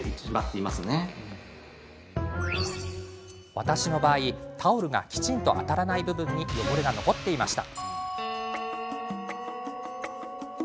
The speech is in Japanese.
私の場合、タオルがきちんと当たらない部分に汚れが残っていました。